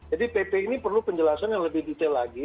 jadi pp ini perlu penjelasan yang lebih detail lagi